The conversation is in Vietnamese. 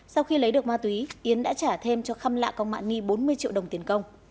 sau khi lấy được ma túy yến đã trả thêm cho khăm lạ công mã ni bốn mươi triệu đồng tiền công